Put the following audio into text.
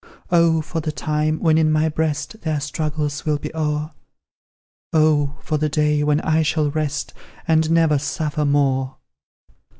Oh, for the time, when in my breast Their struggles will be o'er! Oh, for the day, when I shall rest, And never suffer more!"